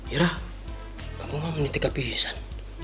irah kamu mah menitik ke pisisan